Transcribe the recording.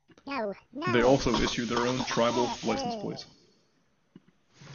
They also issue their own tribal license plates.